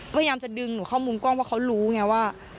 พยายามจะดึงหนูเข้ามุมกล้องว่าเขารู้ไงว่า